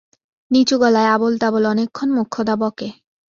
নিচুগলায় আবোলতাবোল অনেকক্ষণ মোক্ষদা বকে।